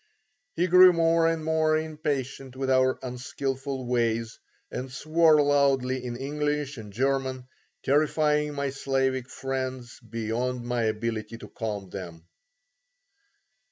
He grew more and more impatient with our unskillful ways, and swore loudly in English and German, terrifying my Slavic friends beyond my ability to calm them.